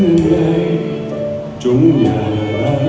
วันเสื้อในจงยากมากเลย